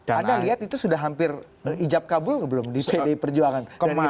anda lihat itu sudah hampir ijab kabul belum di pdi perjuangan